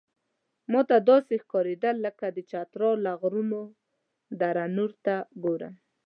ماته داسې ښکارېدل لکه د چترال له غرونو دره نور ته ګورم.